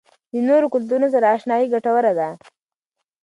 د نورو کلتورونو سره آشنايي ګټوره ده.